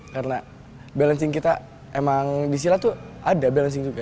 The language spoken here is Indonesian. karena balancing kita emang di silat tuh ada balancing juga